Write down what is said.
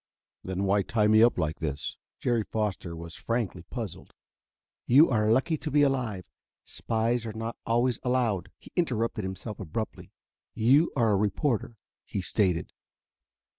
"Then why tie me up like this?" Jerry Foster was frankly puzzled. "You are lucky to be alive. Spies are not always allowed " He interrupted himself abruptly. "You are a reporter," he stated.